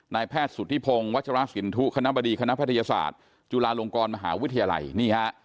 แพทย์สุธิพงศ์วัชราสินทุคณะบดีคณะแพทยศาสตร์จุฬาลงกรมหาวิทยาลัยนี่ฮะ